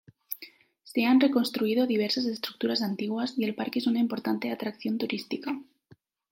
Se han reconstruido diversas estructuras antiguas y el parque es una importante atracción turística.